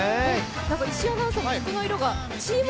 石井アナウンサー、服の色がチーム